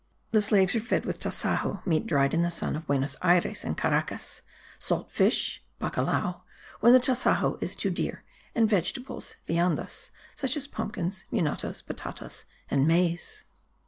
The slaves are fed with tasajo (meat dried in the sun) of Buenos Ayres and Caracas; salt fish (bacalao) when the tasajo is too dear; and vegetables (viandas) such as pumpkins, munatos, batatas, and maize.